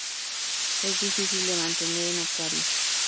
Es difícil de mantener en acuario.